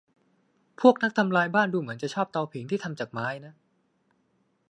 พวกนักทำลายบ้านดูเหมือนจะชอบเตาผิงที่ทำจากไม้นะ